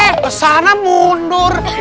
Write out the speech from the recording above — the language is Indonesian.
eh ke sana mundur